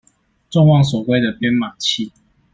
眾望所歸的編碼器